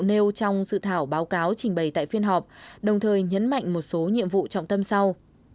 nêu trong dự thảo báo cáo trình bày tại phiên họp đồng thời nhấn mạnh một số nhiệm vụ trọng tâm sau